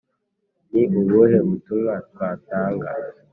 ni ubuhe butumwa twatanga